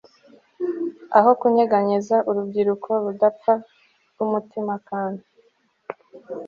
Aho kunyeganyeza urubyiruko rudapfa rwumutimakana